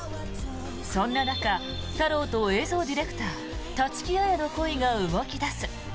そんな中、太郎と映像ディレクター、立木彩の恋が動き出す。